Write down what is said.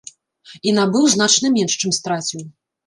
І набыў значна менш, чым страціў.